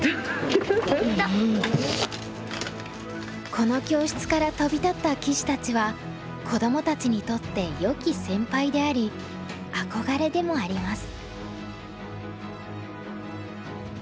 この教室から飛び立った棋士たちは子どもたちにとってよき先輩であり憧れでもあります。